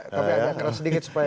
tapi agak keras sedikit supaya